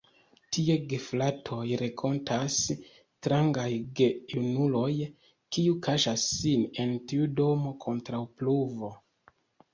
Tie gefratoj renkontas strangaj gejunuloj, kiuj kaŝas sin en tiu domo kontraŭ pluvo.